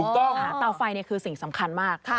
เตาไฟคือสิ่งสำคัญมาก